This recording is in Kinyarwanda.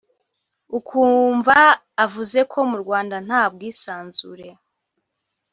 ukumva avuze ko mu Rwanda nta bwisanzure